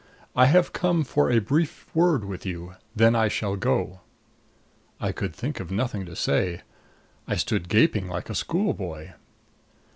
"I have come for a brief word with you then I shall go." I could think of nothing to say. I stood gaping like a schoolboy.